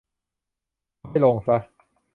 ก็ให้ลงซะ